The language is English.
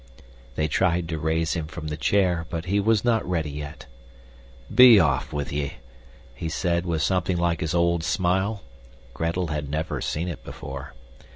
They tried to raise him from the chair, but he was not ready yet. "Be off with ye!" he said with something like his old smile (Gretel had never seen it before).